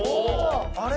あれ？